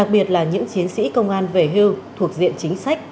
về hưu thuộc diện chính sách